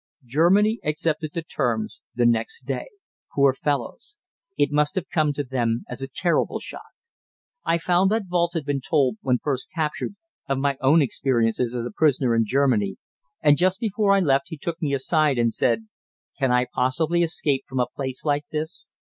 Germany accepted the terms the next day. Poor fellows! It must have come to them as a terrible shock. I found that Walz had been told, when first captured, of my own experiences as a prisoner in Germany, and just before I left, he took me aside and said, "Can I possibly escape from a place like this?